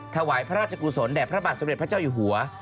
ถวายพระราชกุศลแด่พระบาทสมเด็จพระเจ้าอยู่หัว